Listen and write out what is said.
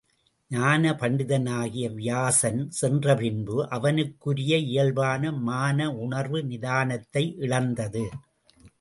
ஞானபண்டிதனாகிய வியாசன் சென்ற பின்பு அவனுக்குரிய இயல்பான மான உணர்வு நிதானத்தை இழந்தது.